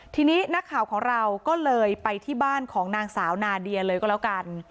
ทีนี้นักข่าวของเราก็เลยไปที่บ้านของนางสาวนาเดียเลยก็แล้วกัน